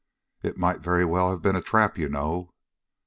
"It might very well have been a trap, you know."